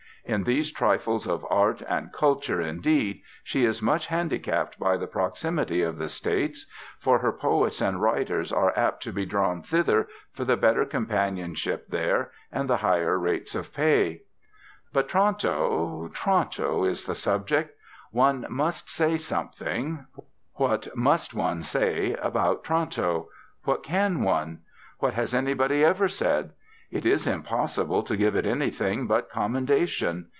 In these trifles of Art and 'culture,' indeed, she is much handicapped by the proximity of the States. For her poets and writers are apt to be drawn thither, for the better companionship there and the higher rates of pay. But Toronto Toronto is the subject. One must say something what must one say about Toronto? What can one? What has anybody ever said? It is impossible to give it anything but commendation.